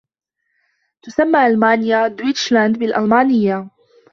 تسمّى ألمانيا «دويتشلاند» بالألمانيّة.